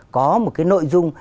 có một cái nội dung